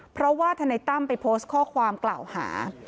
เพราะว่าธนายตั้มไปโพสต์ข้อความกล่าวหา